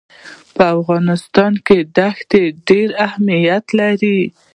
په افغانستان کې دښتې ډېر اهمیت لري.